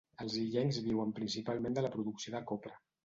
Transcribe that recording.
Els illencs viuen principalment de la producció de copra.